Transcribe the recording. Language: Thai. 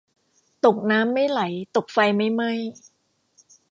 ตกน้ำไม่ไหล ตกไฟไม่ไหม้